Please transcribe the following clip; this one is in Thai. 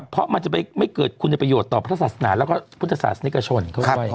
เพราะมันจะไม่เกิดคุณประโยชน์ต่อพระศาสนาแล้วก็พุทธศาสนิกชนเขาด้วย